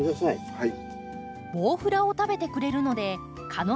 はい！